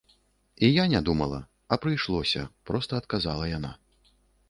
І я не думала. А прыйшлося, - проста адказала яна.